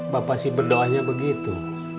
bapak sih berdoanya begitu